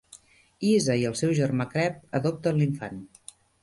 Iza i el seu germà Creb adopten l'infant.